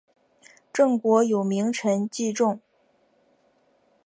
郑国有名臣祭仲。